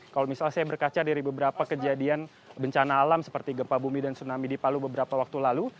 kalau misalnya saya berkaca dari beberapa kejadian bencana alam seperti gempa bumi dan tsunami di palu beberapa waktu lalu